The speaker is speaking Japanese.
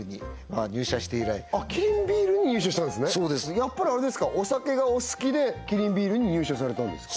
やっぱりあれですかお酒がお好きでキリンビールに入社されたんですか？